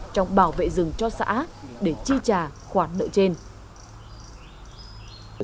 trong bảo vệ rừng cho xã để chi trả khoản nợ trên